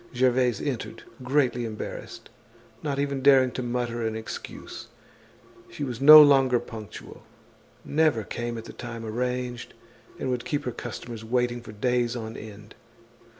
Gervaise entered, greatly embarrassed, not even daring to mutter an excuse. She was no longer punctual, never came at the time arranged, and would keep her customers waiting for days on end.